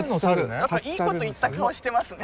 いいこと言った顔してますね。